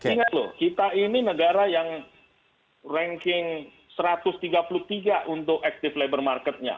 ingat loh kita ini negara yang ranking satu ratus tiga puluh tiga untuk active labor marketnya